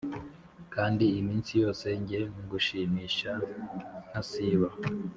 Kandi iminsi yose njye ngushimisha ntasiba